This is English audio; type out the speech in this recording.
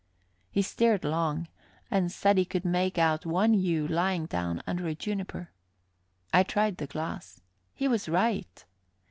He stared long and said he could make out one ewe lying down under a juniper. I tried the glass. He was right.